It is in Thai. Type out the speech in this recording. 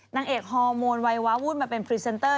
นางเอกฮอร์โมนวัยวะวุ่นมาเป็นพรีเซนเตอร์